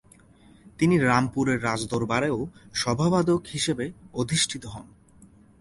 তিনি রামপুরের রাজদরবারেও সভাবাদক হিসেবে অধিষ্ঠিত হন।